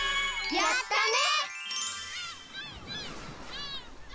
やったね！